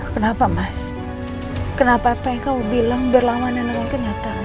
kenapa mas kenapa apa yang kamu bilang berlawanan dengan kenyataan